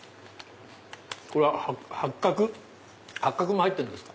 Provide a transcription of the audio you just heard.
八角も入ってるんですか？